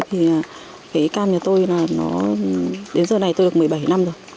thì cam nhà tôi đến giờ này tôi được một mươi bảy năm rồi